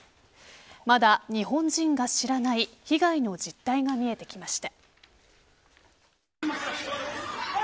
まだ日本人が知らない被害の実態が見えてきました。